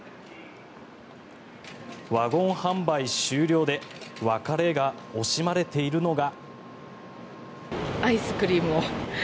ワゴン販売終了で別れが惜しまれているのが。